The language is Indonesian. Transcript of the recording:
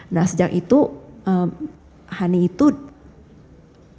nah sejak itu hani itu kayak pergi ke tempat lain